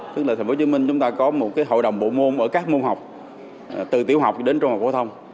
tức là tp hcm chúng ta có một hội đồng bộ môn ở các môn học từ tiểu học đến trung học phổ thông